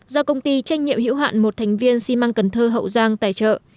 do công ty tranh nhiệm hiểu hạn một thành viên xi măng cần thơ hậu giang tài trợ